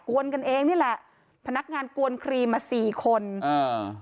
วนกันเองนี่แหละพนักงานกวนครีมมาสี่คนอ่า